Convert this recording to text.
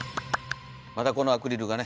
まだこのアクリルがね